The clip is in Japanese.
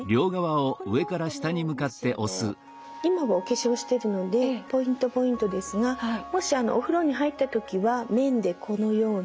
これももし今はお化粧してるのでポイントポイントですがもしお風呂に入った時は面でこのように。